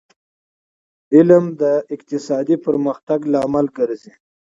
علم د اقتصادي پرمختګ لامل ګرځي